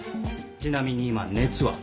ちなみに今熱は？